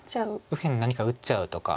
右辺何か打っちゃうとか。